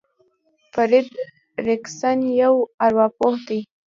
فرېډ ريکسن يو ارواپوه دی.